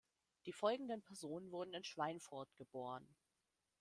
Die folgenden Personen wurden in Schweinfurt geboren.